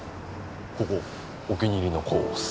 ここお気に入りのコース。